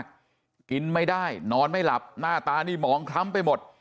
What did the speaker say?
กินไม่ได้นอนไม่หลับหน้าตานี่หมองคล้ำไปหมด